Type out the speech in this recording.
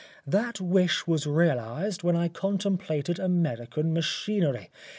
That wish was realised when I contemplated American machinery.